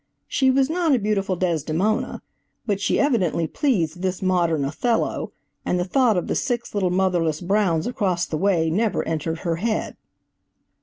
She was not a beautiful Desdemona, but she evidently pleased this modern Othello, and the thought of the six little motherless Browns across the way never entered her head.